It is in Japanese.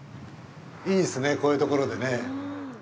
いいですね、こういうところでね。